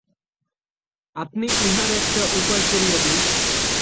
আপনি ইহার একটা উপায় করিয়া দিন।